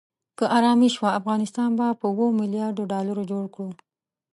که آرامي شوه افغانستان به په اوو ملیاردو ډالرو جوړ کړو.